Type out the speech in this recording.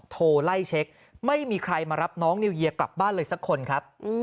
โทรไล่เช็คไม่มีใครมารับน้องนิวเยียกลับบ้านเลยสักคนครับ